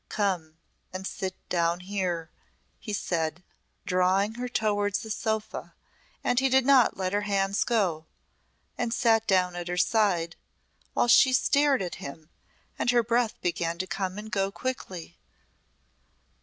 "Come and sit down here," he said, drawing her towards a sofa and he did not let her hands go, and sat down at her side while she stared at him and her breath began to come and go quickly.